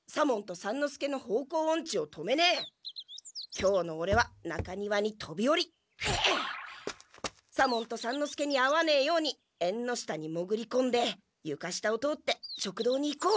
今日のオレは中庭にとびおり左門と三之助に会わねえようにえんの下にもぐりこんでゆか下を通って食堂に行こう。